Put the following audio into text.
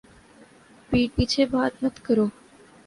پِیٹھ پیچھے بات مت کرو